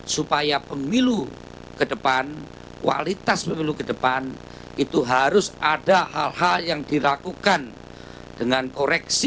supaya pemilu kedepan kualitas pemilu kedepan itu harus ada hal hal yang dilakukan dengan koreksi